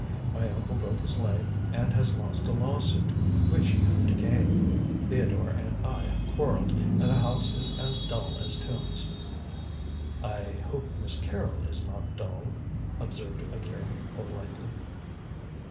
My uncle broke his leg and has lost a lawsuit, which he hoped to gain. Theodore and I have quarrelled, and the house is as dull as tombs." "I hope Miss Carrol is not dull?" observed Akira politely.